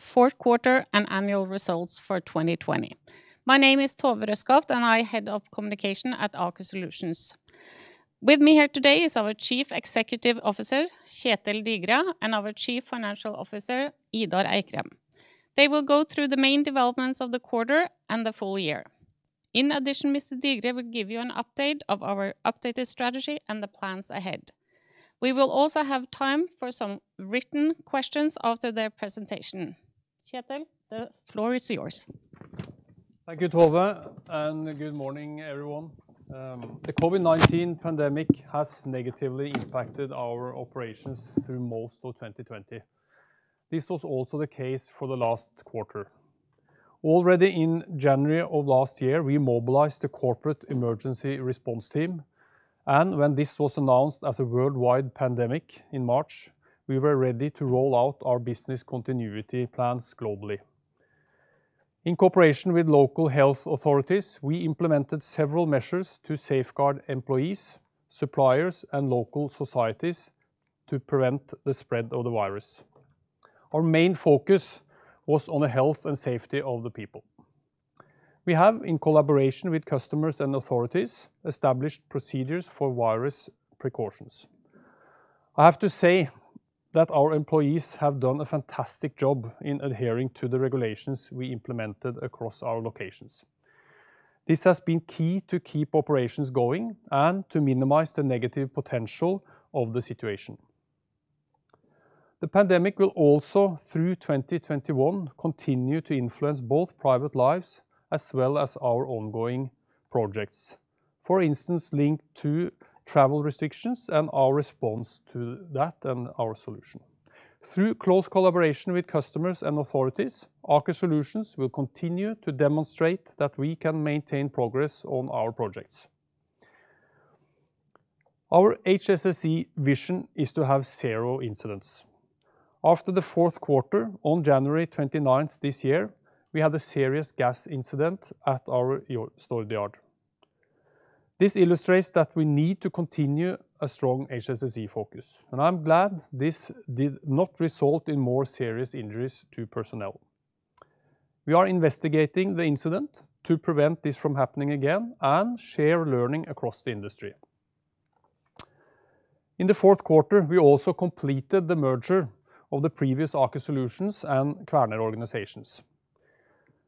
Fourth quarter and annual results for 2020. My name is Tove Røskaft, and I Head of Communication at Aker Solutions. With me here today is our Chief Executive Officer, Kjetel Digre, and our Chief Financial Officer, Idar Eikrem. They will go through the main developments of the quarter and the full year. In addition, Mr. Digre will give you an update of our updated strategy and the plans ahead. We will also have time for some written questions after their presentation. Kjetel, the floor is yours. Thank you, Tove, and good morning, everyone. The COVID-19 pandemic has negatively impacted our operations through most of 2020. This was also the case for the last quarter. Already in January of last year, we mobilized a corporate emergency response team, and when this was announced as a worldwide pandemic in March, we were ready to roll out our business continuity plans globally. In cooperation with local health authorities, we implemented several measures to safeguard employees, suppliers, and local societies to prevent the spread of the virus. Our main focus was on the health and safety of the people. We have, in collaboration with customers and authorities, established procedures for virus precautions. I have to say that our employees have done a fantastic job in adhering to the regulations we implemented across our locations. This has been key to keep operations going and to minimize the negative potential of the situation. The pandemic will also, through 2021, continue to influence both private lives as well as our ongoing projects. For instance, linked to travel restrictions and our response to that and our solution. Through close collaboration with customers and authorities, Aker Solutions will continue to demonstrate that we can maintain progress on our projects. Our HSSE vision is to have zero incidents. After the fourth quarter, on January 29th this year, we had a serious gas incident at our Stord yard. This illustrates that we need to continue a strong HSSE focus, and I'm glad this did not result in more serious injuries to personnel. We are investigating the incident to prevent this from happening again and share learning across the industry. In the fourth quarter, we also completed the merger of the previous Aker Solutions and Kværner organizations.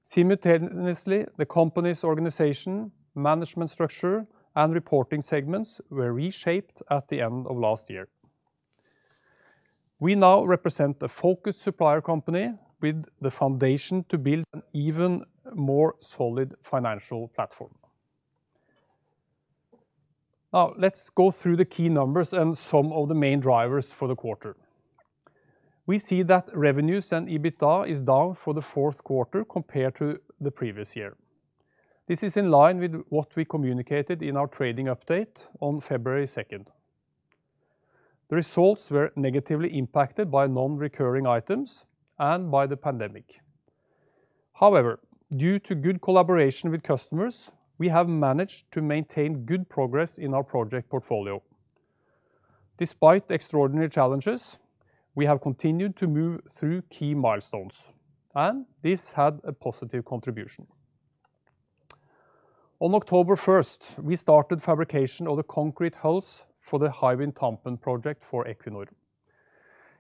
Simultaneously, the company's organization, management structure, and reporting segments were reshaped at the end of last year. We now represent a focused supplier company with the foundation to build an even more solid financial platform. Let's go through the key numbers and some of the main drivers for the quarter. We see that revenues and EBITDA is down for the fourth quarter compared to the previous year. This is in line with what we communicated in our trading update on February 2nd. The results were negatively impacted by non-recurring items and by the pandemic. However, due to good collaboration with customers, we have managed to maintain good progress in our project portfolio. Despite extraordinary challenges, we have continued to move through key milestones, and this had a positive contribution. On October 1st, we started fabrication of the concrete hulls for the Hywind Tampen project for Equinor.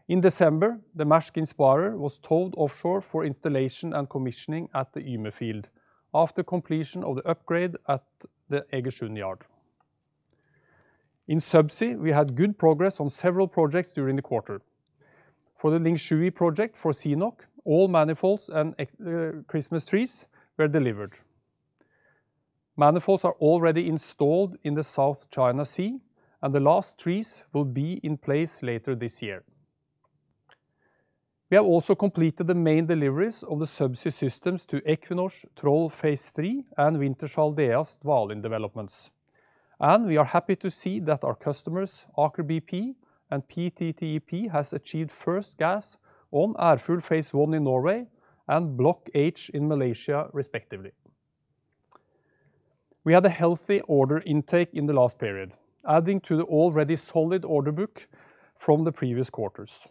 In December, the Maersk Inspirer was towed offshore for installation and commissioning at the Yme field after completion of the upgrade at the Egersund yard. In Subsea, we had good progress on several projects during the quarter. For the Lingshui project for CNOOC, all manifolds and Christmas trees were delivered. Manifolds are already installed in the South China Sea, and the last trees will be in place later this year. We have also completed the main deliveries of the Subsea systems to Equinor's Troll phase III and Wintershall Dea's Dvalin developments, and we are happy to see that our customers, Aker BP and PTTEP, has achieved first gas on Ærfugl phase I in Norway and Block H in Malaysia respectively. We had a healthy order intake in the last period, adding to the already solid order book from the previous quarters.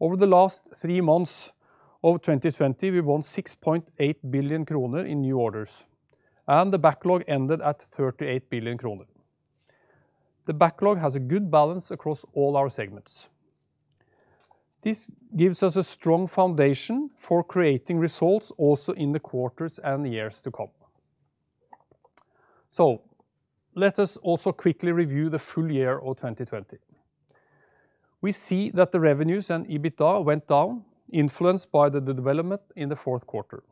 Over the last three months of 2020, we won 6.8 billion kroner in new orders, and the backlog ended at 38 billion kroner. The backlog has a good balance across all our segments. This gives us a strong foundation for creating results, also in the quarters and the years to come. Let us also quickly review the full year of 2020. We see that the revenues and EBITDA went down, influenced by the development in the fourth quarter.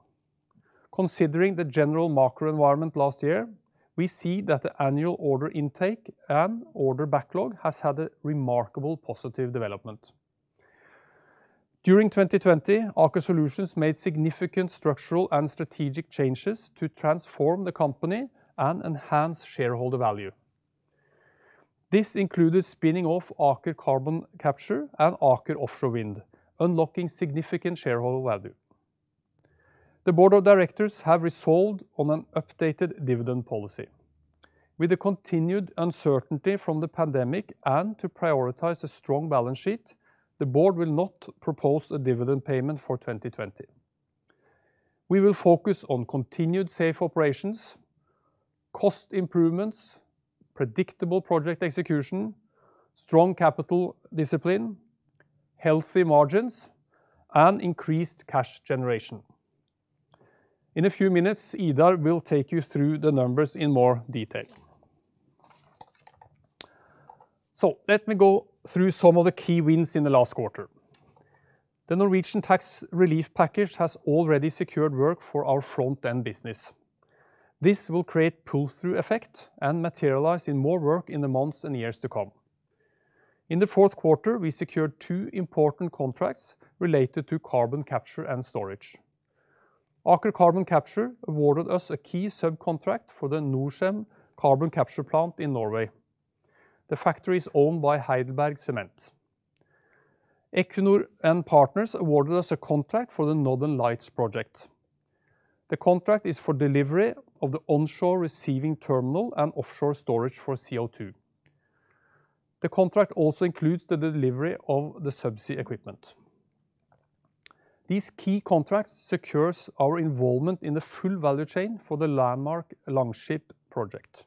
Considering the general macro environment last year, we see that the annual order intake and order backlog has had a remarkable positive development. During 2020, Aker Solutions made significant structural and strategic changes to transform the company and enhance shareholder value. This included spinning off Aker Carbon Capture and Aker Offshore Wind, unlocking significant shareholder value. The board of directors have resolved on an updated dividend policy. With the continued uncertainty from the pandemic and to prioritize a strong balance sheet, the board will not propose a dividend payment for 2020. We will focus on continued safe operations, cost improvements, predictable project execution, strong capital discipline, healthy margins, and increased cash generation. In a few minutes, Idar will take you through the numbers in more detail. Let me go through some of the key wins in the last quarter. The Norwegian tax relief package has already secured work for our front-end business. This will create pull-through effect and materialize in more work in the months and years to come. In the fourth quarter, we secured two important contracts related to carbon capture and storage. Aker Carbon Capture awarded us a key subcontract for the Norcem carbon capture plant in Norway. The factory is owned by HeidelbergCement. Equinor and partners awarded us a contract for the Northern Lights Project. The contract is for delivery of the onshore receiving terminal and offshore storage for CO2. The contract also includes the delivery of the subsea equipment. These key contracts secures our involvement in the full value chain for the landmark Longship project.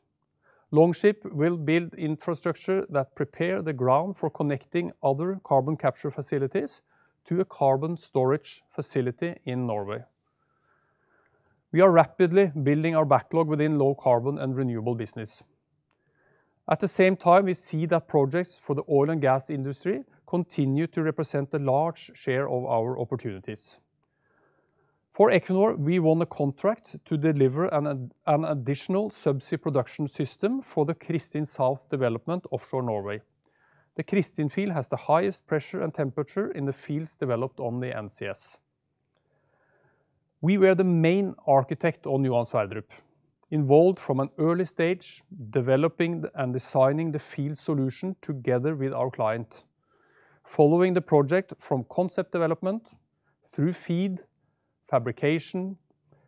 Longship will build infrastructure that prepare the ground for connecting other carbon capture facilities to a carbon storage facility in Norway. We are rapidly building our backlog within low carbon and renewable business. At the same time, we see that projects for the oil and gas industry continue to represent a large share of our opportunities. For Equinor, we won a contract to deliver an additional subsea production system for the Kristin South development offshore Norway. The Kristin field has the highest pressure and temperature in the fields developed on the NCS. We were the main architect on Johan Sverdrup, involved from an early stage, developing and designing the field solution together with our client. Following the project from concept development through FEED, fabrication,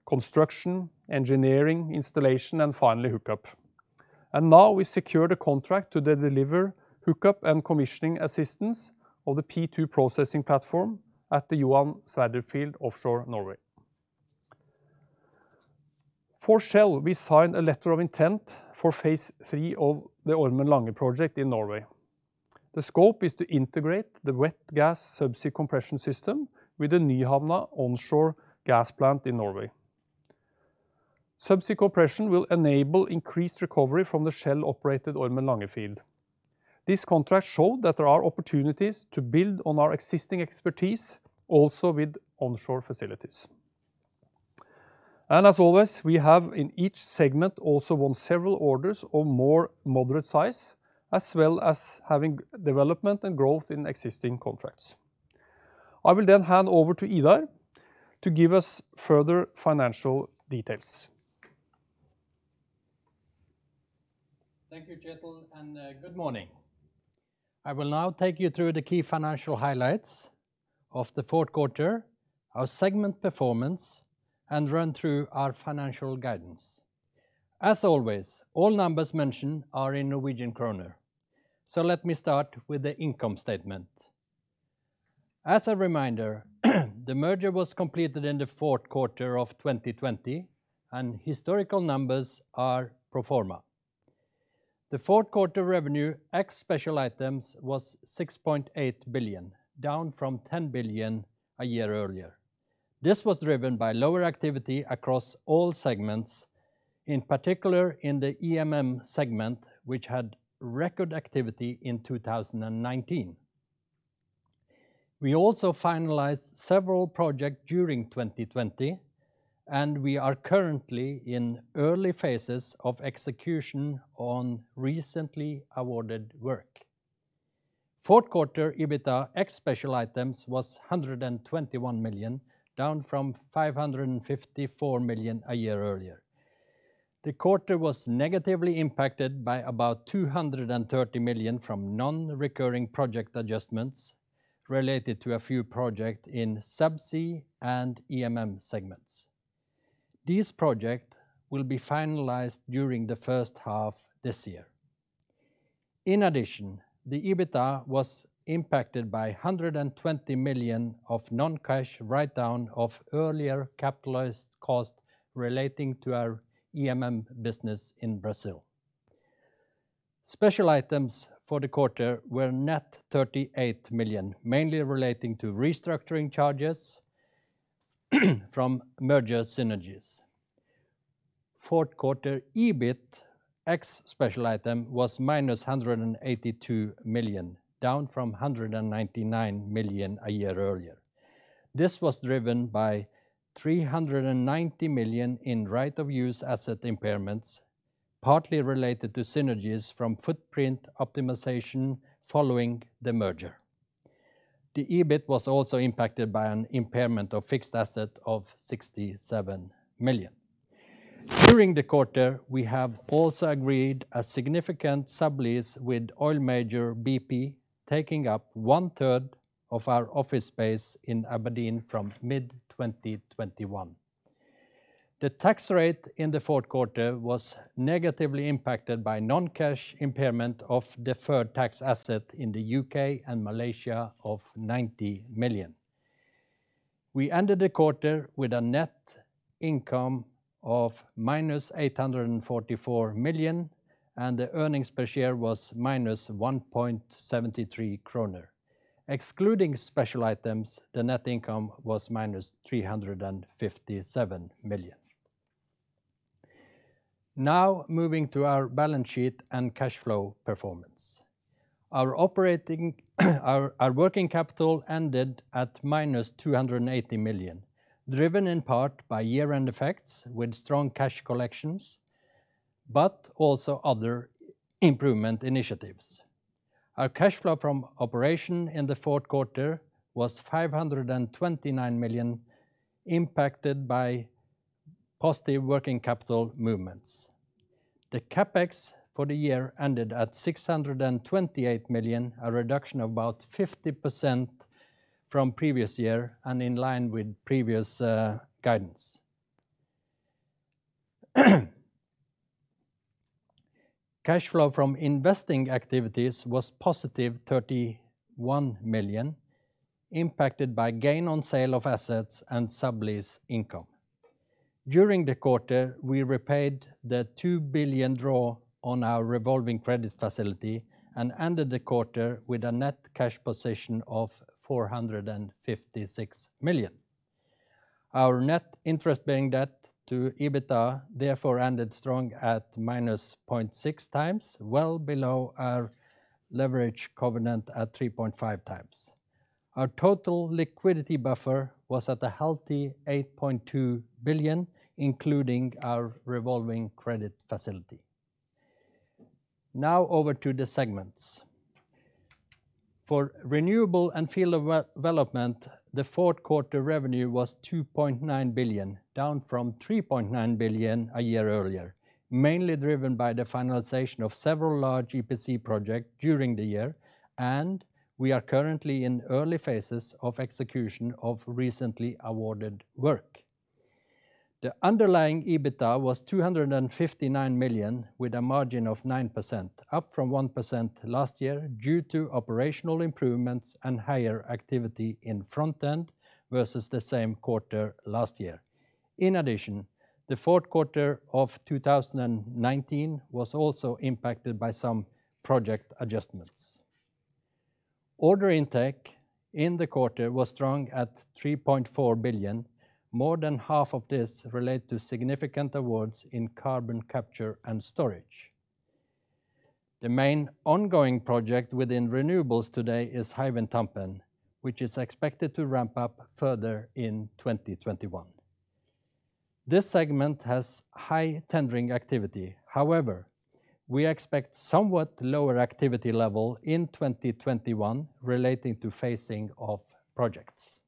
construction, engineering, installation, and finally, hookup. Now we secure the contract to deliver hookup and commissioning assistance of the P2 processing platform at the Johan Sverdrup field offshore Norway. For Shell, we signed a letter of intent for phase three of the Ormen Lange project in Norway. The scope is to integrate the wet gas subsea compression system with the Nyhamna onshore gas plant in Norway. Subsea compression will enable increased recovery from the Shell-operated Ormen Lange field. This contract showed that there are opportunities to build on our existing expertise also with onshore facilities. As always, we have in each segment also won several orders of more moderate size, as well as having development and growth in existing contracts. I will hand over to Idar to give us further financial details. Thank you, Kjetel, and good morning. I will now take you through the key financial highlights of the fourth quarter, our segment performance, and run through our financial guidance. As always, all numbers mentioned are in Norwegian kroner. Let me start with the income statement. As a reminder, the merger was completed in the fourth quarter of 2020, and historical numbers are pro forma. The fourth quarter revenue ex special items was 6.8 billion, down from 10 billion a year earlier. This was driven by lower activity across all segments, in particular in the EMM segment, which had record activity in 2019. We also finalized several project during 2020, and we are currently in early phases of execution on recently awarded work. Fourth quarter EBITA ex special items was 121 million, down from 554 million a year earlier. The quarter was negatively impacted by about 230 million from non-recurring project adjustments related to a few projects in subsea and EMM segments. These projects will be finalized during the first half this year. The EBITA was impacted by 120 million of non-cash write-down of earlier capitalized cost relating to our EMM business in Brazil. Special items for the quarter were net 38 million, mainly relating to restructuring charges from merger synergies. Fourth quarter EBIT ex special item was -182 million, down from 199 million a year earlier. This was driven by 390 million in right-of-use asset impairments, partly related to synergies from footprint optimization following the merger. The EBIT was also impacted by an impairment of fixed asset of 67 million. During the quarter, we have also agreed a significant sublease with oil major BP, taking up one third of our office space in Aberdeen from mid-2021. The tax rate in the fourth quarter was negatively impacted by non-cash impairment of deferred tax asset in the U.K. and Malaysia of 90 million. We ended the quarter with a net income of -844 million, and the earnings per share was minus 1.73 kroner. Excluding special items, the net income was -357 million. Moving to our balance sheet and cash flow performance. Our working capital ended at -280 million, driven in part by year-end effects with strong cash collections, also other improvement initiatives. Our cash flow from operation in the fourth quarter was 529 million, impacted by positive working capital movements. The CapEx for the year ended at 628 million, a reduction of about 50% from previous year and in line with previous guidance. Cash flow from investing activities was positive 31 million, impacted by gain on sale of assets and sublease income. During the quarter, we repaid the 2 billion draw on our revolving credit facility and ended the quarter with a net cash position of 456 million. Our net interest bearing debt to EBITDA therefore ended strong at -0.6 times, well below our leverage covenant at 3.5 times. Our total liquidity buffer was at a healthy 8.2 billion, including our revolving credit facility. Over to the segments. For renewable and field development, the fourth quarter revenue was 2.9 billion, down from 3.9 billion a year earlier, mainly driven by the finalization of several large EPC projects during the year. We are currently in early phases of execution of recently awarded work. The underlying EBITDA was 259 million with a margin of 9%, up from 1% last year due to operational improvements and higher activity in front end versus the same quarter last year. In addition, the fourth quarter of 2019 was also impacted by some project adjustments. Order intake in the quarter was strong at 3.4 billion. More than half of this relate to significant awards in carbon capture and storage. The main ongoing project within renewables today is Hywind Tampen, which is expected to ramp up further in 2021. This segment has high tendering activity. We expect somewhat lower activity level in 2021 relating to phasing of projects.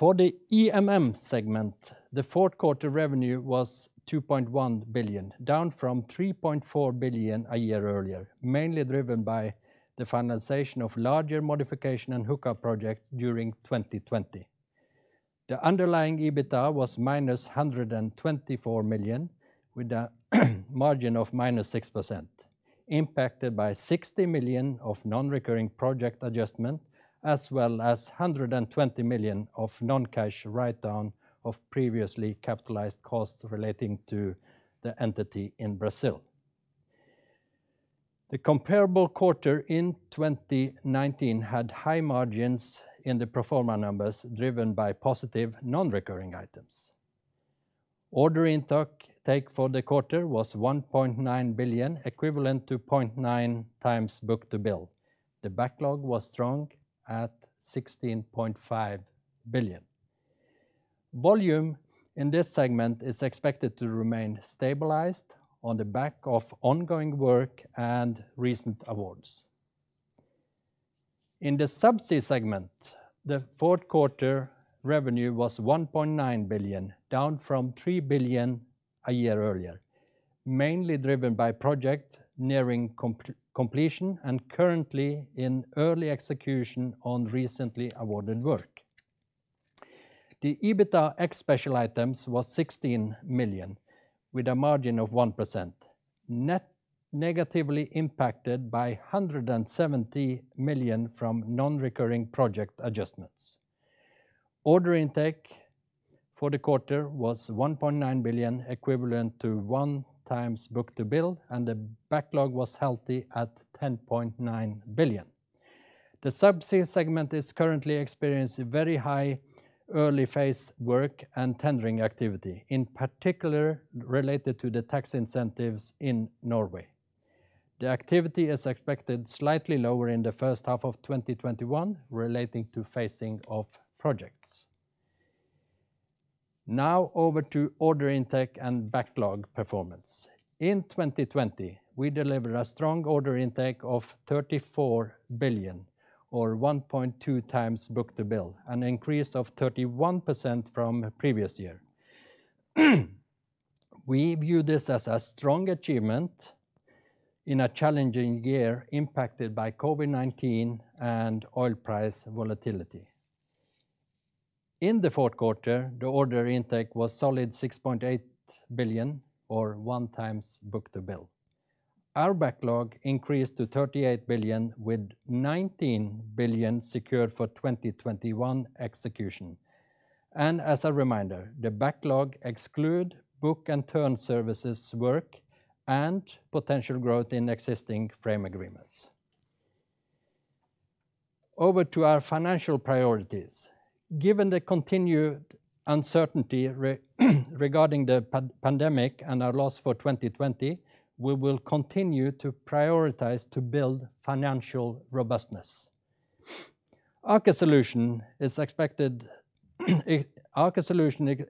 For the EMM segment, the fourth quarter revenue was 2.1 billion, down from 3.4 billion a year earlier, mainly driven by the finalization of larger modification and hookup projects during 2020. The underlying EBITDA was minus 124 million, with a margin of minus 6%, impacted by 60 million of non-recurring project adjustment, as well as 120 million of non-cash write-down of previously capitalized costs relating to the entity in Brazil. The comparable quarter in 2019 had high margins in the pro forma numbers driven by positive non-recurring items. Order intake for the quarter was 1.9 billion, equivalent to 0.9 times book-to-bill. The backlog was strong at 16.5 billion. Volume in this segment is expected to remain stabilized on the back of ongoing work and recent awards. In the Subsea segment, the fourth quarter revenue was 1.9 billion, down from 3 billion a year earlier, mainly driven by project nearing completion and currently in early execution on recently awarded work. The EBITDA ex special items was 16 million, with a margin of 1%, negatively impacted by 170 million from non-recurring project adjustments. Order intake for the quarter was 1.9 billion, equivalent to one times book-to-bill, and the backlog was healthy at 10.9 billion. The Subsea segment is currently experiencing very high early phase work and tendering activity, in particular related to the tax incentives in Norway. The activity is expected slightly lower in the first half of 2021 relating to phasing of projects. Now over to order intake and backlog performance. In 2020, we delivered a strong order intake of 34 billion. 1.2 times book-to-bill, an increase of 31% from previous year. We view this as a strong achievement in a challenging year impacted by COVID-19 and oil price volatility. In the fourth quarter, the order intake was solid 6.8 billion or one times book-to-bill. Our backlog increased to 38 billion with 19 billion secured for 2021 execution. As a reminder, the backlog exclude book-and-turn services work and potential growth in existing frame agreements. Over to our financial priorities. Given the continued uncertainty regarding the pandemic and our loss for 2020, we will continue to prioritize to build financial robustness. Aker Solutions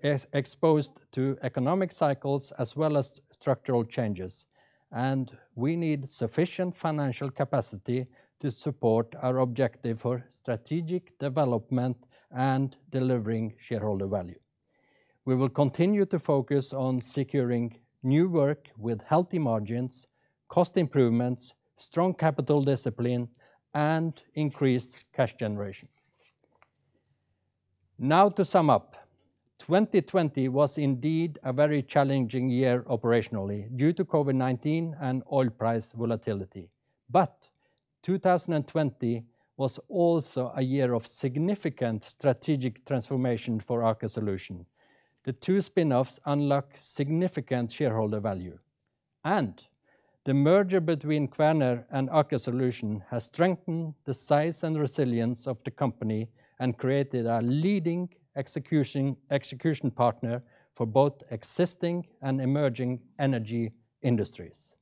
is exposed to economic cycles as well as structural changes, and we need sufficient financial capacity to support our objective for strategic development and delivering shareholder value. We will continue to focus on securing new work with healthy margins, cost improvements, strong capital discipline, and increased cash generation. Now to sum up. 2020 was indeed a very challenging year operationally due to COVID-19 and oil price volatility. 2020 was also a year of significant strategic transformation for Aker Solutions. The two spinoffs unlock significant shareholder value, and the merger between Kværner and Aker Solutions has strengthened the size and resilience of the company and created a leading execution partner for both existing and emerging energy industries.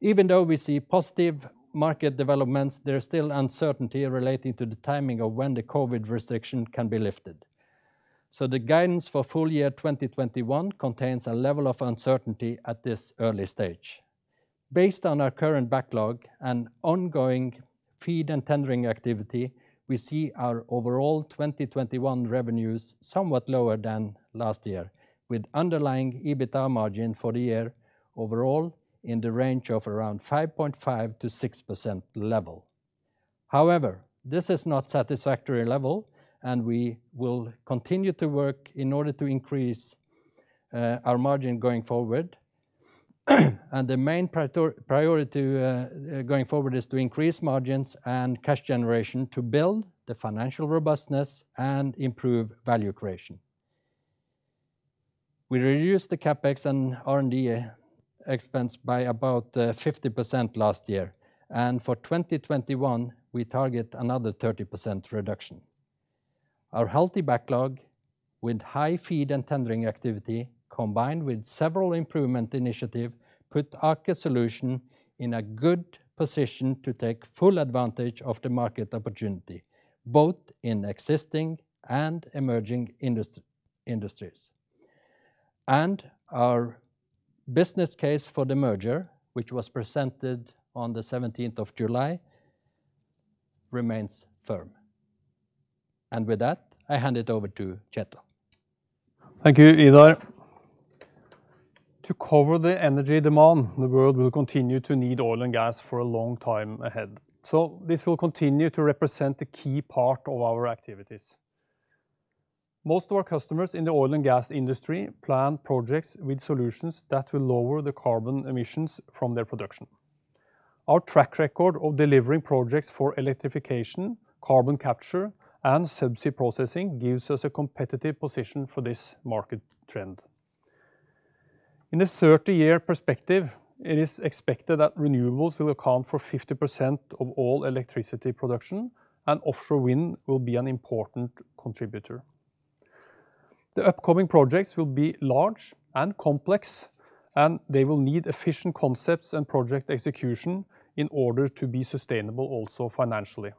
Even though we see positive market developments, there is still uncertainty relating to the timing of when the COVID restriction can be lifted. The guidance for full year 2021 contains a level of uncertainty at this early stage. Based on our current backlog and ongoing FEED and tendering activity, we see our overall 2021 revenues somewhat lower than last year, with underlying EBITDA margin for the year overall in the range of around 5.5%-6% level. However, this is not satisfactory level. We will continue to work in order to increase our margin going forward. The main priority going forward is to increase margins and cash generation to build the financial robustness and improve value creation. We reduced the CapEx and R&D expense by about 50% last year, and for 2021, we target another 30% reduction. Our healthy backlog with high FEED and tendering activity, combined with several improvement initiative, put Aker Solutions in a good position to take full advantage of the market opportunity, both in existing and emerging industries. Our business case for the merger, which was presented on the 17th of July, remains firm. With that, I hand it over to Kjetel. Thank you, Idar. To cover the energy demand, the world will continue to need oil and gas for a long time ahead. This will continue to represent a key part of our activities. Most of our customers in the oil and gas industry plan projects with solutions that will lower the carbon emissions from their production. Our track record of delivering projects for electrification, carbon capture, and subsea processing gives us a competitive position for this market trend. In a 30-year perspective, it is expected that renewables will account for 50% of all electricity production, and offshore wind will be an important contributor. The upcoming projects will be large and complex, and they will need efficient concepts and project execution in order to be sustainable also financially.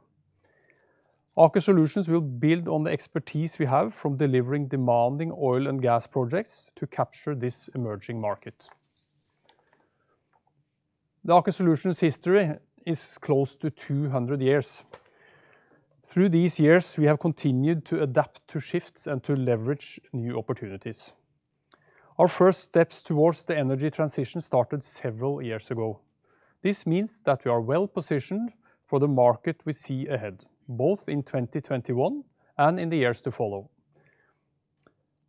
Aker Solutions will build on the expertise we have from delivering demanding oil and gas projects to capture this emerging market. The Aker Solutions history is close to 200 years. Through these years, we have continued to adapt to shifts and to leverage new opportunities. Our first steps towards the energy transition started several years ago. This means that we are well-positioned for the market we see ahead, both in 2021 and in the years to follow.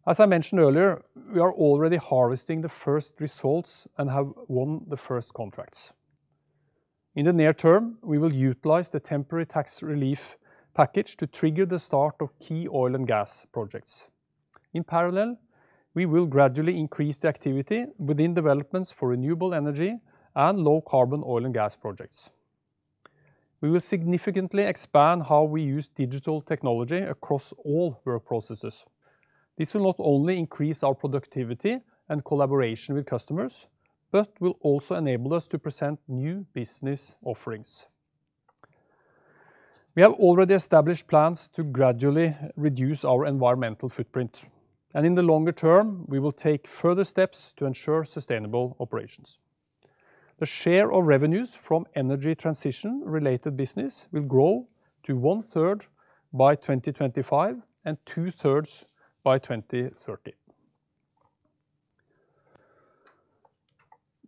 As I mentioned earlier, we are already harvesting the first results and have won the first contracts. In the near term, we will utilize the temporary tax relief package to trigger the start of key oil and gas projects. In parallel, we will gradually increase the activity within developments for renewable energy and low-carbon oil and gas projects. We will significantly expand how we use digital technology across all work processes. This will not only increase our productivity and collaboration with customers but will also enable us to present new business offerings. We have already established plans to gradually reduce our environmental footprint, and in the longer term, we will take further steps to ensure sustainable operations. The share of revenues from energy transition related business will grow to 1/3 by 2025 and 2/3 by 2030.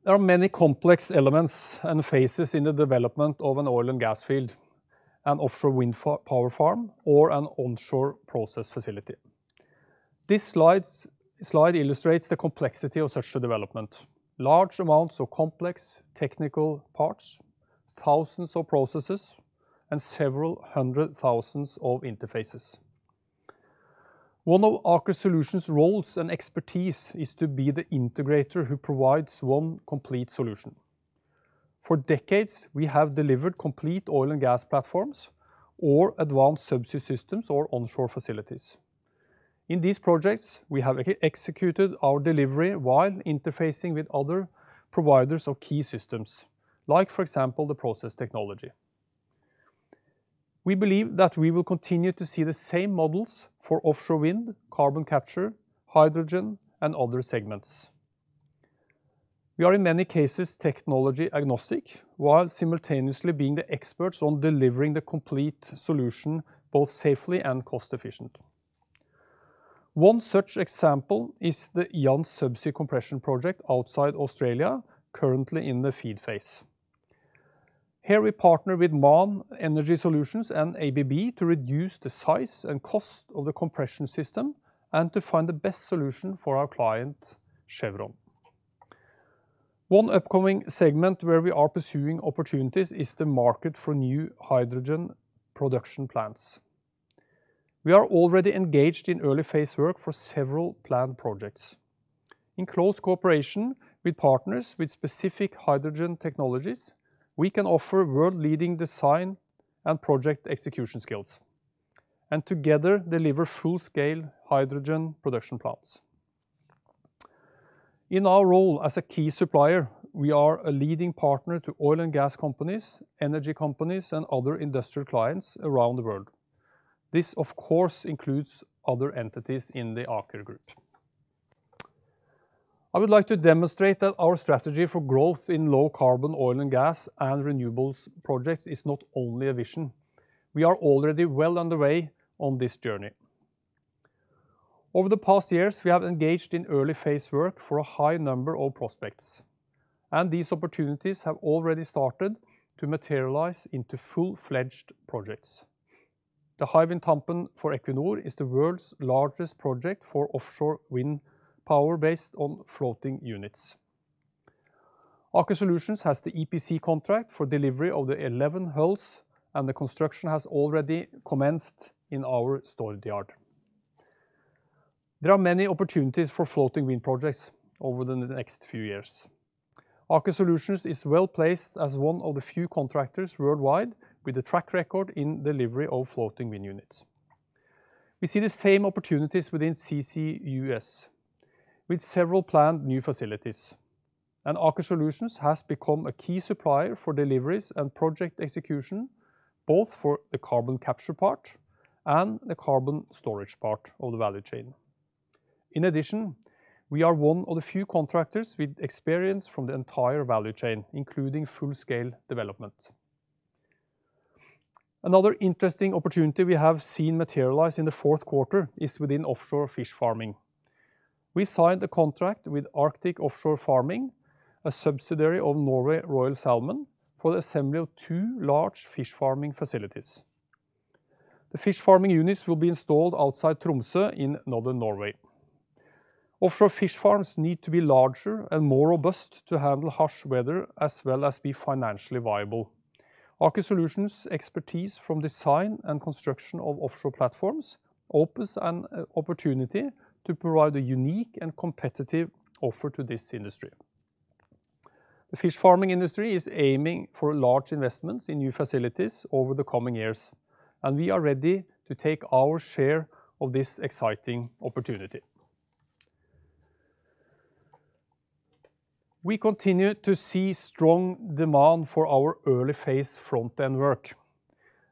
There are many complex elements and phases in the development of an oil and gas field, an offshore wind power farm, or an onshore process facility. This slide illustrates the complexity of such development. Large amounts of complex technical parts, thousands of processes, and several hundred thousands of interfaces. One of Aker Solutions roles and expertise is to be the integrator who provides one complete solution. For decades, we have delivered complete oil and gas platforms or advanced subsea systems or onshore facilities. In these projects, we have executed our delivery while interfacing with other providers of key systems like, for example, the process technology. We believe that we will continue to see the same models for offshore wind, carbon capture, hydrogen, and other segments. We are in many cases technology agnostic, while simultaneously being the experts on delivering the complete solution both safely and cost efficient. One such example is the Jansz-Io subsea compression project outside Australia, currently in the FEED phase. Here we partner with MAN Energy Solutions and ABB to reduce the size and cost of the compression system and to find the best solution for our client, Chevron. One upcoming segment where we are pursuing opportunities is the market for new hydrogen production plants. We are already engaged in early phase work for several planned projects. In close cooperation with partners with specific hydrogen technologies, we can offer world-leading design and project execution skills, and together deliver full-scale hydrogen production plants. In our role as a key supplier, we are a leading partner to oil and gas companies, energy companies, and other industrial clients around the world. This of course, includes other entities in the Aker Group. I would like to demonstrate that our strategy for growth in low carbon oil and gas and renewables projects is not only a vision. We are already well underway on this journey. Over the past years, we have engaged in early phase work for a high number of prospects, and these opportunities have already started to materialize into full-fledged projects. The Hywind Tampen for Equinor is the world's largest project for offshore wind power based on floating units. Aker Solutions has the EPC contract for delivery of the 11 hulls, and the construction has already commenced in our Egersund yard. There are many opportunities for floating wind projects over the next few years. Aker Solutions is well-placed as one of the few contractors worldwide with a track record in delivery of floating wind units. We see the same opportunities within CCUS with several planned new facilities, and Aker Solutions has become a key supplier for deliveries and project execution, both for the carbon capture part and the carbon storage part of the value chain. In addition, we are one of the few contractors with experience from the entire value chain, including full-scale development. Another interesting opportunity we have seen materialize in the fourth quarter is within offshore fish farming. We signed a contract with Arctic Offshore Farming, a subsidiary of Norway Royal Salmon, for the assembly of two large fish farming facilities. The fish farming units will be installed outside Tromsø in northern Norway. Offshore fish farms need to be larger and more robust to handle harsh weather, as well as be financially viable. Aker Solutions expertise from design and construction of offshore platforms opens an opportunity to provide a unique and competitive offer to this industry. The fish farming industry is aiming for large investments in new facilities over the coming years, and we are ready to take our share of this exciting opportunity. We continue to see strong demand for our early phase front-end work.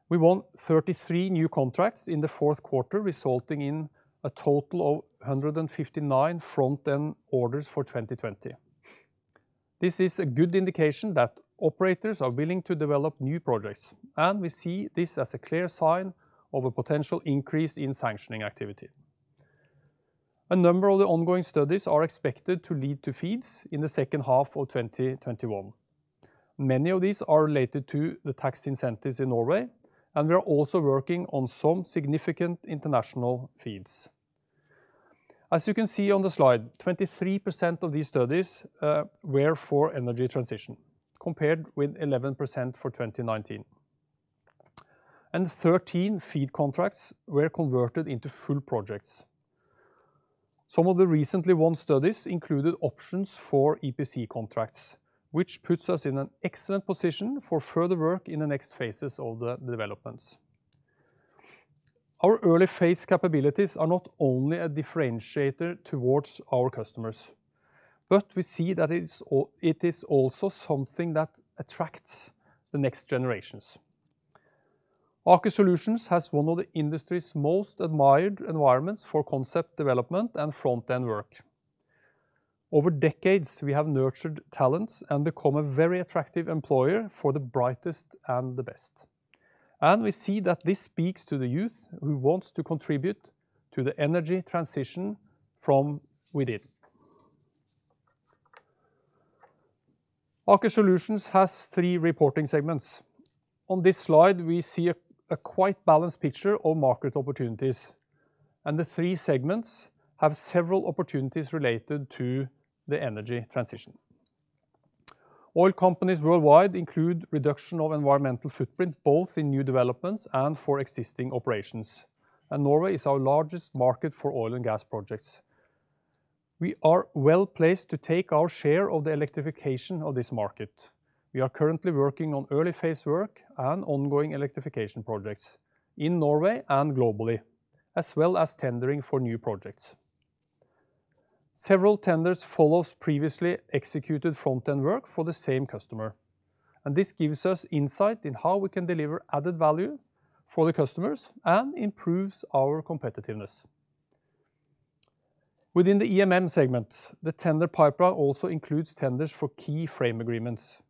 We won 33 new contracts in the fourth quarter, resulting in a total of 159 front-end orders for 2020. This is a good indication that operators are willing to develop new projects, and we see this as a clear sign of a potential increase in sanctioning activity. A number of the ongoing studies are expected to lead to FEEDs in the second half of 2021. Many of these are related to the tax incentives in Norway, and we are also working on some significant international FEEDs. As you can see on the slide, 23% of these studies were for energy transition, compared with 11% for 2019. 13 FEED contracts were converted into full projects. Some of the recently won studies included options for EPC contracts, which puts us in an excellent position for further work in the next phases of the developments. Our early phase capabilities are not only a differentiator towards our customers, but we see that it is also something that attracts the next generations. Aker Solutions has one of the industry's most admired environments for concept development and front-end work. Over decades, we have nurtured talents and become a very attractive employer for the brightest and the best, and we see that this speaks to the youth who wants to contribute to the energy transition from within. Aker Solutions has three reporting segments. On this slide, we see a quite balanced picture of market opportunities, and the three segments have several opportunities related to the energy transition. Oil companies worldwide include reduction of environmental footprint, both in new developments and for existing operations, and Norway is our largest market for oil and gas projects. We are well-placed to take our share of the electrification of this market. We are currently working on early phase work and ongoing electrification projects in Norway and globally, as well as tendering for new projects. Several tenders follow previously executed front-end work for the same customer, and this gives us insight in how we can deliver added value for the customers and improves our competitiveness. Within the EMM segment, the tender pipeline also includes tenders for key frame agreements.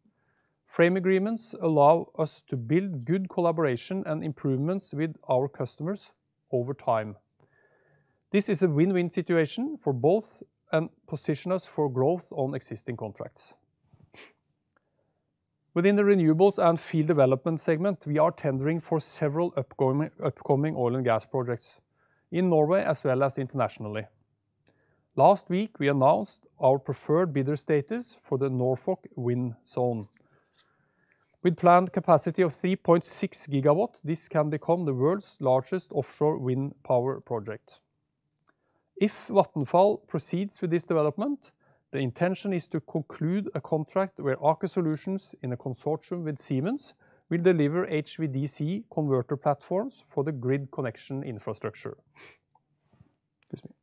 Frame agreements allow us to build good collaboration and improvements with our customers over time. This is a win-win situation for both and position us for growth on existing contracts. Within the renewables and field development segment, we are tendering for several upcoming oil and gas projects in Norway as well as internationally. Last week, we announced our preferred bidder status for the Norfolk Wind Zone. With planned capacity of 3.6 gigawatt, this can become the world's largest offshore wind power project. If Vattenfall proceeds with this development, the intention is to conclude a contract where Aker Solutions, in a consortium with Siemens, will deliver HVDC converter platforms for the grid connection infrastructure. Excuse me.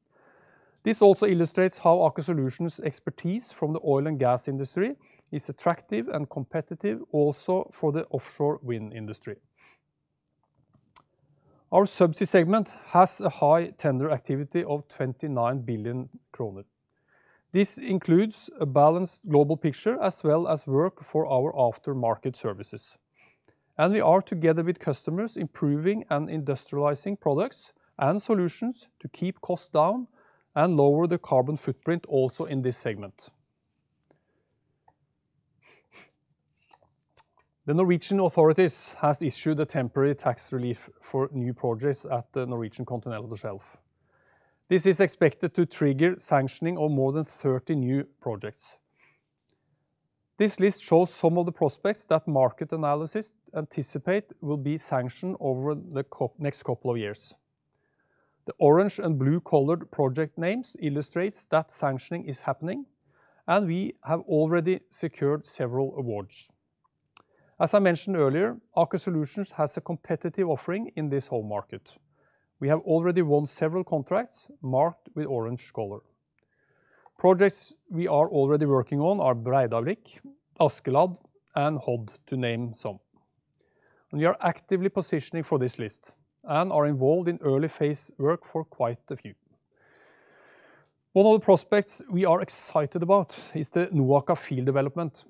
This also illustrates how Aker Solutions expertise from the oil and gas industry is attractive and competitive also for the offshore wind industry. Our subsea segment has a high tender activity of 29 billion kroner. This includes a balanced global picture as well as work for our aftermarket services, and we are, together with customers, improving and industrializing products and solutions to keep costs down and lower the carbon footprint also in this segment. The Norwegian authorities has issued a temporary tax relief for new projects at the Norwegian Continental Shelf. This is expected to trigger sanctioning of more than 30 new projects. This list shows some of the prospects that market analysts anticipate will be sanctioned over the next couple of years. The orange and blue colored project names illustrates that sanctioning is happening, and we have already secured several awards. As I mentioned earlier, Aker Solutions has a competitive offering in this whole market. We have already won several contracts marked with orange color. Projects we are already working on are Breidablikk, Askeladd, and Hod, to name some. We are actively positioning for this list and are involved in early phase work for quite a few. One of the prospects we are excited about is the NOAKA field development.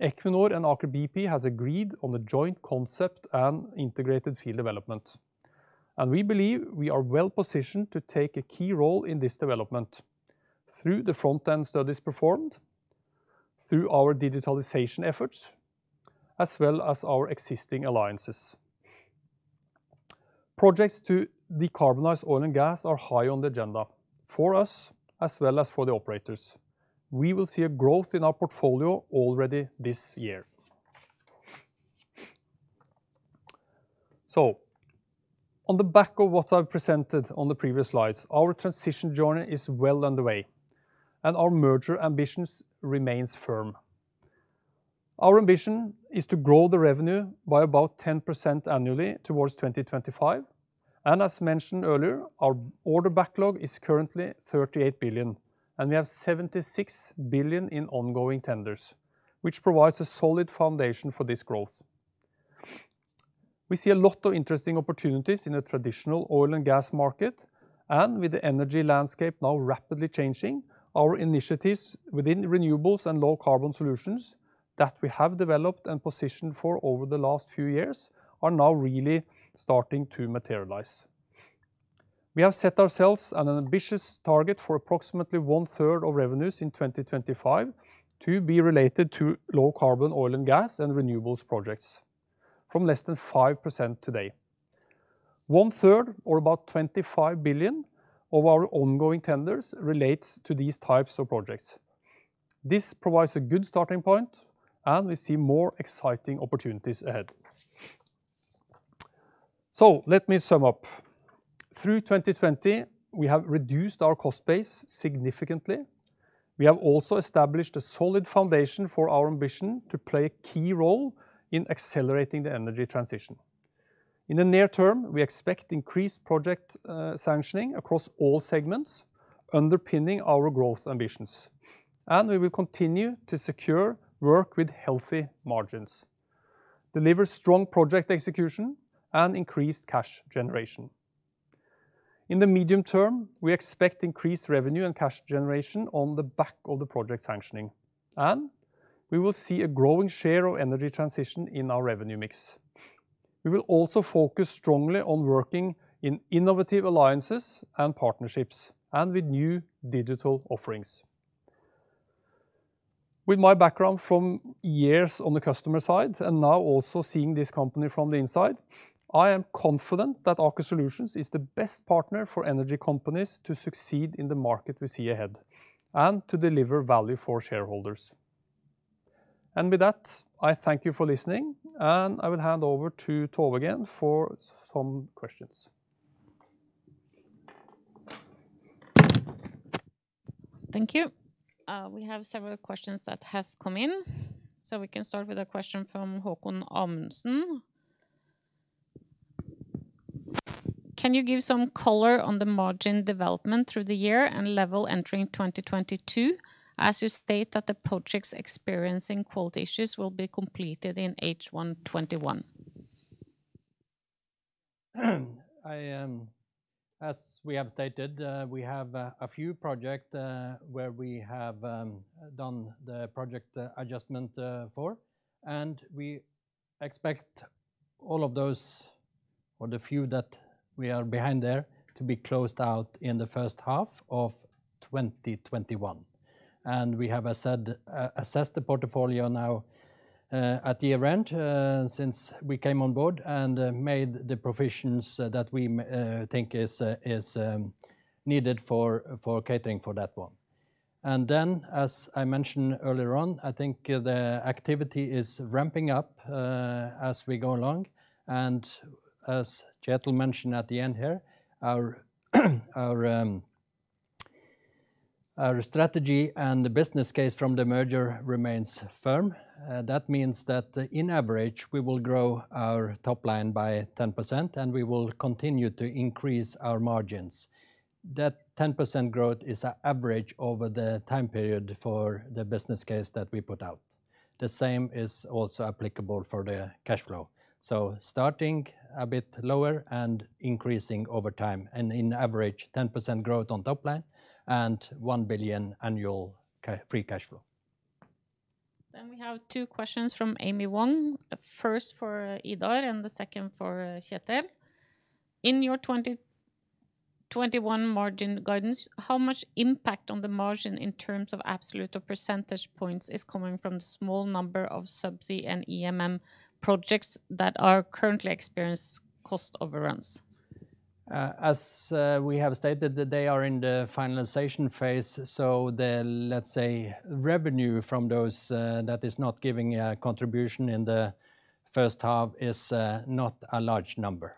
Equinor and Aker BP has agreed on a joint concept and integrated field development, we believe we are well-positioned to take a key role in this development through the front-end studies performed, through our digitalization efforts, as well as our existing alliances. Projects to decarbonize oil and gas are high on the agenda for us, as well as for the operators. We will see a growth in our portfolio already this year. On the back of what I've presented on the previous slides, our transition journey is well underway, and our merger ambitions remains firm. Our ambition is to grow the revenue by about 10% annually towards 2025. As mentioned earlier, our order backlog is currently 38 billion, and we have 76 billion in ongoing tenders, which provides a solid foundation for this growth. We see a lot of interesting opportunities in the traditional oil and gas market, and with the energy landscape now rapidly changing, our initiatives within renewables and low carbon solutions that we have developed and positioned for over the last few years are now really starting to materialize. We have set ourselves an ambitious target for approximately one third of revenues in 2025 to be related to low carbon oil and gas and renewables projects from less than 5% today. One third or about 25 billion of our ongoing tenders relates to these types of projects. This provides a good starting point, and we see more exciting opportunities ahead. Let me sum up. Through 2020, we have reduced our cost base significantly. We have also established a solid foundation for our ambition to play a key role in accelerating the energy transition. In the near term, we expect increased project sanctioning across all segments, underpinning our growth ambitions. We will continue to secure work with healthy margins, deliver strong project execution, and increased cash generation. In the medium term, we expect increased revenue and cash generation on the back of the project sanctioning, and we will see a growing share of energy transition in our revenue mix. We will also focus strongly on working in innovative alliances and partnerships, and with new digital offerings. With my background from years on the customer side and now also seeing this company from the inside, I am confident that Aker Solutions is the best partner for energy companies to succeed in the market we see ahead, and to deliver value for shareholders. With that, I thank you for listening, and I will hand over to Tove again for some questions. Thank you. We have several questions that has come in. We can start with a question from Haakon Amundsen. Can you give some color on the margin development through the year and level entering 2022, as you state that the projects experiencing quality issues will be completed in H1 2021? As we have stated, we have a few project where we have done the project adjustment for, and we expect all of those or the few that we are behind there to be closed out in the first half of 2021. We have assessed the portfolio now at the event since we came on board and made the provisions that we think is needed for catering for that one. As I mentioned earlier on, I think the activity is ramping up as we go along, and as Kjetel mentioned at the end here, our strategy and the business case from the merger remains firm. That means that in average, we will grow our top line by 10%, and we will continue to increase our margins. That 10% growth is an average over the time period for the business case that we put out. The same is also applicable for the cash flow. Starting a bit lower and increasing over time and on average 10% growth on top line and 1 billion annual free cash flow. We have two questions from Amy Wong. First for Idar and the second for Kjetel. In your 2021 margin guidance, how much impact on the margin in terms of absolute or percentage points is coming from the small number of subsea and EMM projects that are currently experienced cost overruns? As we have stated, they are in the finalization phase, so the revenue from those that is not giving a contribution in the first half is not a large number.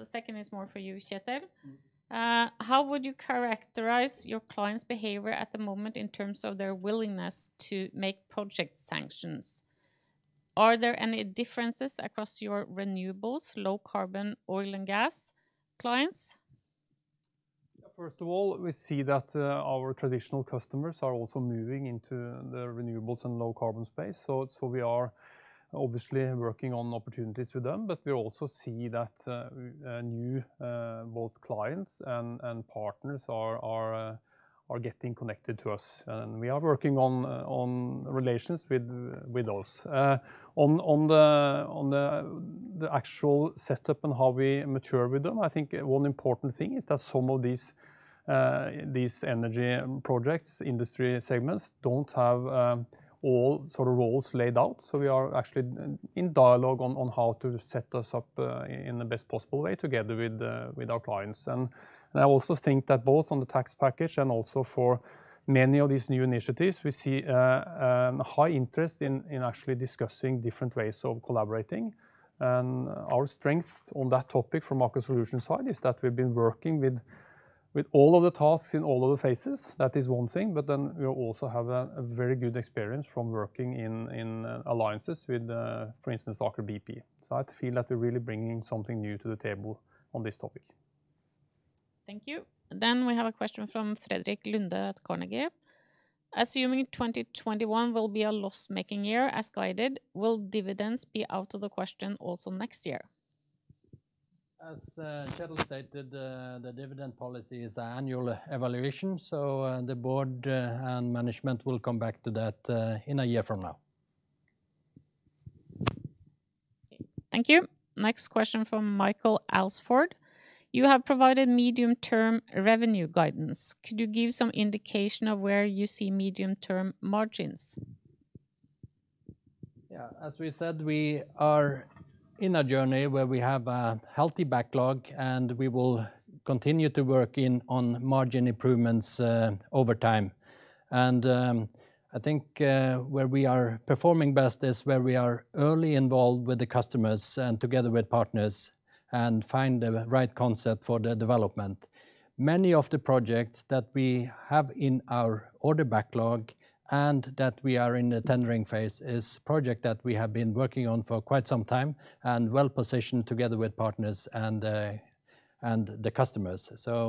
Thank you. The second is more for you, Kjetel. How would you characterize your clients' behavior at the moment in terms of their willingness to make project sanctions? Are there any differences across your renewables, low carbon, oil and gas clients? First of all, we see that our traditional customers are also moving into the renewables and low carbon space. We are obviously working on opportunities with them, but we also see that new both clients and partners are getting connected to us. We are working on relations with those. On the actual setup and how we mature with them, I think one important thing is that some of these energy projects, industry segments don't have all sort of roles laid out. We are actually in dialogue on how to set those up in the best possible way together with our clients. I also think that both on the tax package and also for many of these new initiatives, we see a high interest in actually discussing different ways of collaborating. Our strength on that topic from Aker Solutions' side is that we've been working with all of the tasks in all of the phases. That is one thing. We also have a very good experience from working in alliances with, for instance, Aker BP. I feel that we're really bringing something new to the table on this topic. Thank you. We have a question from Fredrik Lunde at Carnegie. Assuming 2021 will be a loss-making year, as guided, will dividends be out of the question also next year? As Kjetel stated, the dividend policy is an annual evaluation. The board and management will come back to that in a year from now. Thank you. Next question from Michael Alsford. You have provided medium-term revenue guidance. Could you give some indication of where you see medium-term margins? Yeah. As we said, we are in a journey where we have a healthy backlog. We will continue to work on margin improvements over time. I think where we are performing best is where we are early involved with the customers and together with partners and find the right concept for the development. Many of the projects that we have in our order backlog and that we are in the tendering phase are projects that we have been working on for quite some time and well-positioned together with partners and the customers.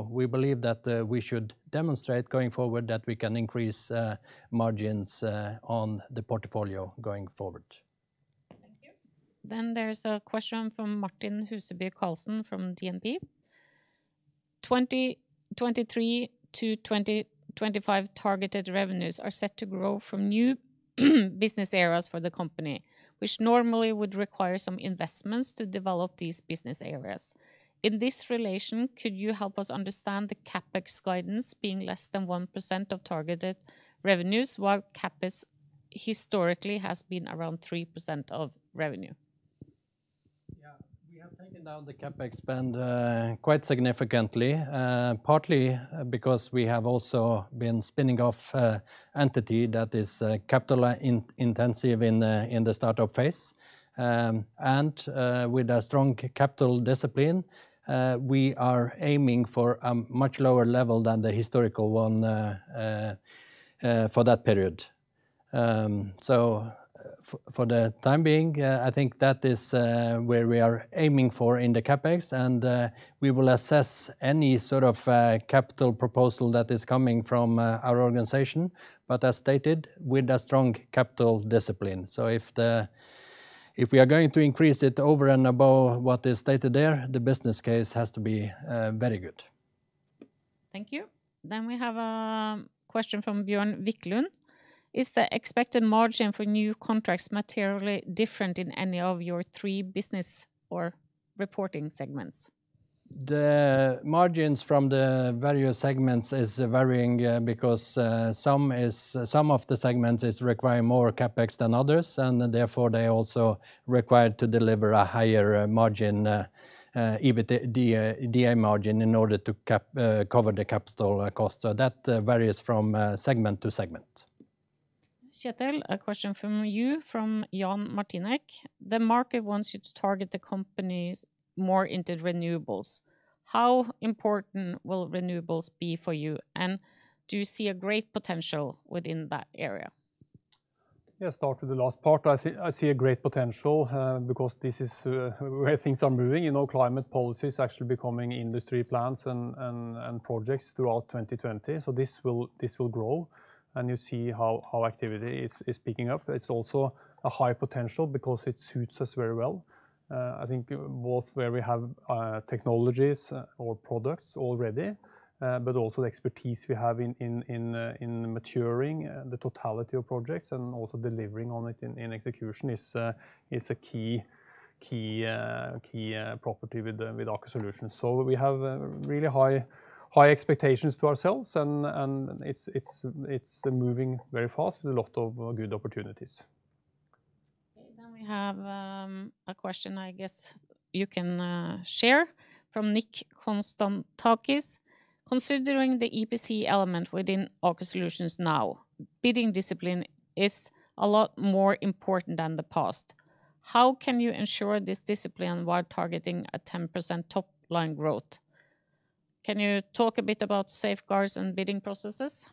We believe that we should demonstrate going forward that we can increase margins on the portfolio going forward. Thank you. There is a question from Martin Huseby Karlsen from DNB. 2023-2025 targeted revenues are set to grow from new business areas for the company, which normally would require some investments to develop these business areas. In this relation, could you help us understand the CapEx guidance being less than 1% of targeted revenues while CapEx historically has been around 3% of revenue? We have taken down the CapEx spend quite significantly, partly because we have also been spinning off entity that is capital-intensive in the startup phase. With a strong capital discipline, we are aiming for a much lower level than the historical one for that period. For the time being, I think that is where we are aiming for in the CapEx, and we will assess any sort of capital proposal that is coming from our organization, but as stated, with a strong capital discipline. If we are going to increase it over and above what is stated there, the business case has to be very good. Thank you. We have a question from Bjørn Wicklund. Is the expected margin for new contracts materially different in any of your three business or reporting segments? The margins from the various segments is varying because some of the segments require more CapEx than others, and therefore they also require to deliver a higher margin, EBITDA margin, in order to cover the capital cost. That varies from segment to segment. Kjetel, a question for you from Jan Martinek. The market wants you to target the companies more into renewables. How important will renewables be for you, and do you see a great potential within that area? Yes, start with the last part. I see a great potential because this is where things are moving. Climate policy is actually becoming industry plans and projects throughout 2020. This will grow, and you see how activity is picking up. It's also a high potential because it suits us very well. I think both where we have technologies or products already, but also the expertise we have in maturing the totality of projects and also delivering on it in execution is a key property with Aker Solutions. We have really high expectations to ourselves, and it's moving very fast with a lot of good opportunities. Okay, we have a question I guess you can share from Nicholas Constantakis. Considering the EPC element within Aker Solutions now, bidding discipline is a lot more important than the past. How can you ensure this discipline while targeting a 10% top-line growth? Can you talk a bit about safeguards and bidding processes?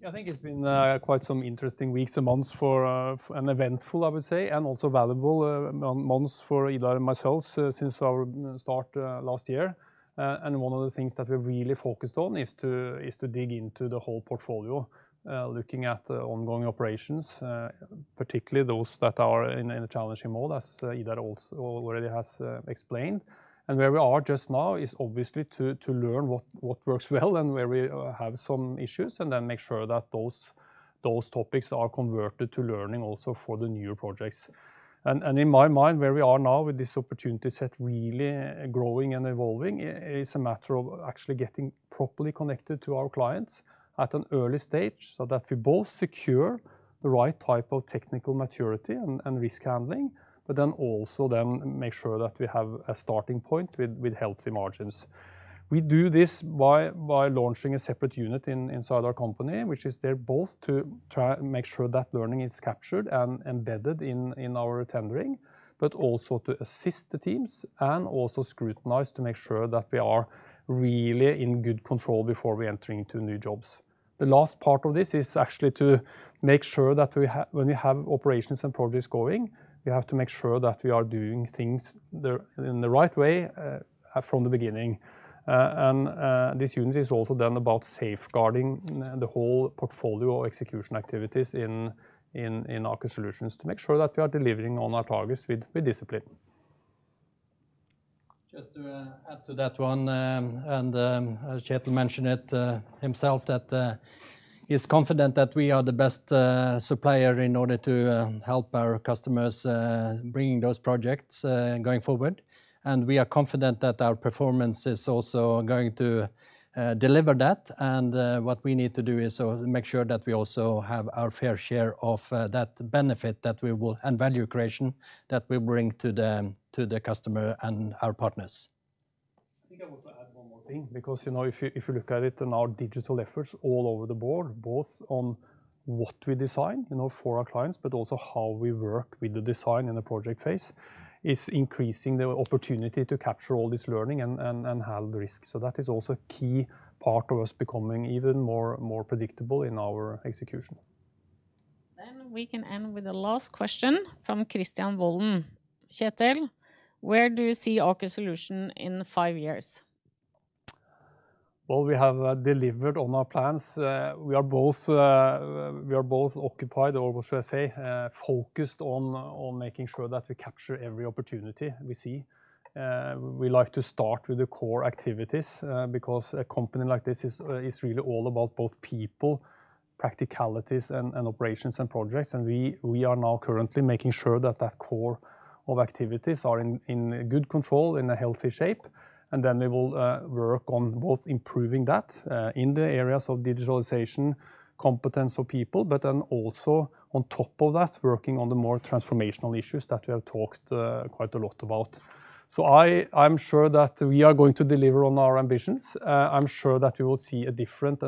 Yeah, I think it's been quite some interesting weeks and months for, and eventful, I would say, and also valuable months for Idar and myself since our start last year. One of the things that we really focused on is to dig into the whole portfolio, looking at the ongoing operations, particularly those that are in a challenging mode, as Idar already has explained. Where we are just now is obviously to learn what works well and where we have some issues, and then make sure that those topics are converted to learning also for the newer projects. In my mind, where we are now with this opportunity set really growing and evolving is a matter of actually getting properly connected to our clients at an early stage so that we both secure the right type of technical maturity and risk handling, but then also then make sure that we have a starting point with healthy margins. We do this by launching a separate unit inside our company, which is there both to try and make sure that learning is captured and embedded in our tendering, but also to assist the teams and also scrutinize to make sure that we are really in good control before we enter into new jobs. The last part of this is actually to make sure that when we have operations and projects going, we have to make sure that we are doing things in the right way from the beginning. This unit is also then about safeguarding the whole portfolio execution activities in Aker Solutions to make sure that we are delivering on our targets with discipline. Just to add to that one, as Kjetel mentioned it himself, that he's confident that we are the best supplier in order to help our customers bringing those projects going forward. We are confident that our performance is also going to deliver that. What we need to do is make sure that we also have our fair share of that benefit and value creation that we bring to the customer and our partners. I think I want to add one more thing, because if you look at it in our digital efforts all over the board, both on what we design for our clients, but also how we work with the design in the project phase, is increasing the opportunity to capture all this learning and handle risk. That is also a key part of us becoming even more predictable in our execution. We can end with the last question from Christian Walden. Kjetel, where do you see Aker Solutions in five years? Well, we have delivered on our plans. We are both occupied, or what should I say? Focused on making sure that we capture every opportunity we see. We like to start with the core activities because a company like this is really all about both people, practicalities and operations and projects, and we are now currently making sure that that core of activities are in good control, in a healthy shape. Then we will work on both improving that in the areas of digitalization, competence of people, but then also on top of that, working on the more transformational issues that we have talked quite a lot about. I am sure that we are going to deliver on our ambitions. I'm sure that we will see a different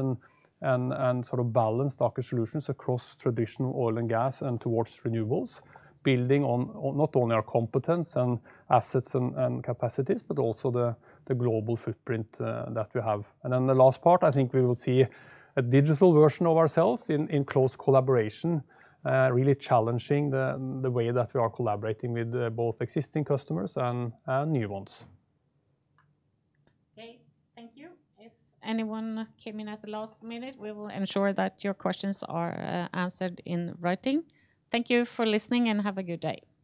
and sort of balanced Aker Solutions across traditional oil and gas and towards renewables, building on not only our competence and assets and capacities, but also the global footprint that we have. The last part, I think we will see a digital version of ourselves in close collaboration, really challenging the way that we are collaborating with both existing customers and new ones. Okay. Thank you. If anyone came in at the last minute, we will ensure that your questions are answered in writing. Thank you for listening, and have a good day. Thank you.